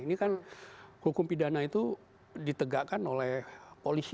ini kan hukum pidana itu ditegakkan oleh polisi